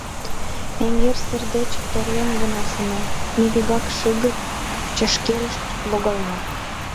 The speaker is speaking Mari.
Эҥер сер деч торлен гына шуна, ме вигак шыгыр чашкерыш логална.